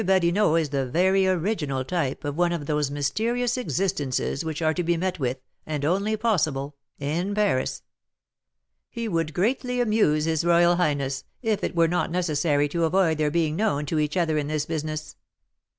Badinot is the very original type of one of those mysterious existences which are to be met with, and only possible, in Paris. He would greatly amuse his royal highness, if it were not necessary to avoid their being known to each other in this business."